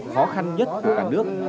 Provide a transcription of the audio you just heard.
khó khăn nhất của cả nước